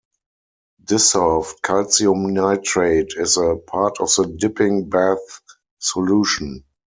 Dissolved calcium nitrate is a part of the dipping bath solution.